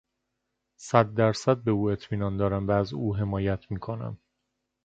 صد در صد به او اطمینان دارم و از او حمایت میکنم.